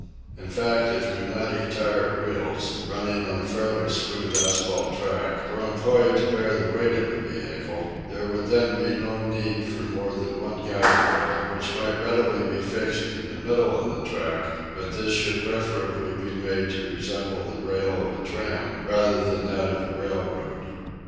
In fact, if pneumatic tyre wheels, running on a fairly smooth asphalt track, were employed to bear the weight of a vehicle, there would then be no need for more than one guide rail, which might readily be fixed in the middle of the track; but this should preferably be made to resemble the rail of a tram rather than that of a railroad.